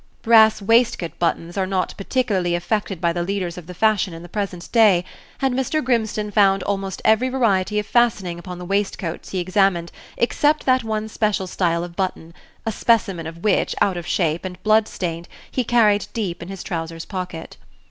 Brass waistcoat buttons are not particularly affected by the leaders of the fashion in the present day, and Mr. Grimstone found almost every variety of fastening upon the waistcoats he examined except that one special style of button, a specimen of which, out of shape and blood stained, he carried deep in his trowsers pocket.